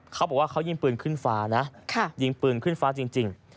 เขาบอกว่าเขายิงปืนขึ้นฟ้านะยิงปืนขึ้นฟ้าจริง